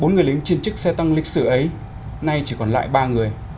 bốn người lính chiến trích xe tăng lịch sử ấy nay chỉ còn lại ba người